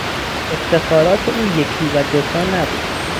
افتخارات او یکی و دو تا نبود.